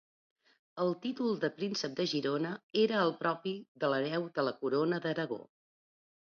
El títol de príncep de Girona era el propi de l'hereu de la Corona d'Aragó.